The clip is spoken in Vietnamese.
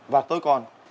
vâng tôi còn